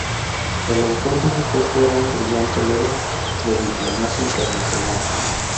El autor dijo que esto era un "brillante logro de diplomacia internacional.